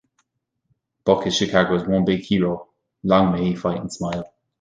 Buck is Chicago's one big hero; long may he fight and smile.